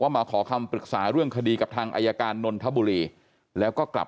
มาขอคำปรึกษาเรื่องคดีกับทางอายการนนทบุรีแล้วก็กลับ